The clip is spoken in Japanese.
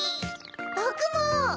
ぼくも！